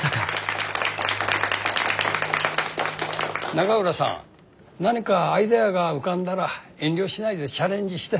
永浦さん何かアイデアが浮かんだら遠慮しないでチャレンジして。